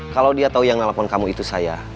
kalau dia tau yang ngelepon kamu itu saya